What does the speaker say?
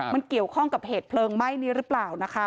มันเกี่ยวข้องกับเหตุเพลิงไหม้นี้หรือเปล่านะคะ